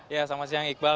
ya selamat siang iqbal